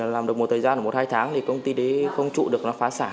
làm được một thời gian một hai tháng công ty đấy không trụ được nó phá sản